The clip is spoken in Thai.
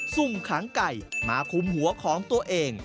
ุ่มขังไก่มาคุมหัวของตัวเอง